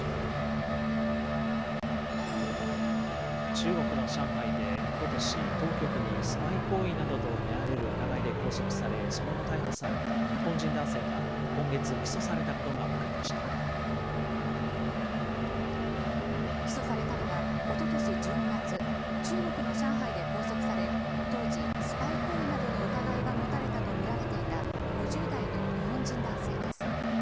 中国の上海でおととし、当局にスパイ行為などと見られる疑いで拘束され、その後逮捕された日本人男性が、今月、起訴されたことが分かりま起訴されたのは、おととし１２月、中国の上海で拘束され、当時、スパイ行為などの疑いが持たれたと見られていた５０代の日本人男性です。